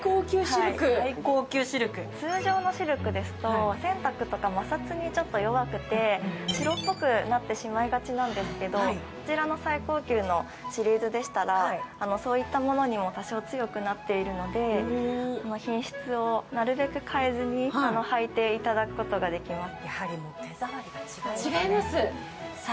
通常のシルクですと、お洗濯とか摩擦とかに弱くて白っぽくなってしまいがちなんですけど、こちらの最高級のシリーズでしたら、そういったものにも多少強くなっているので品質をなるべく変えずに履いていただくことができます。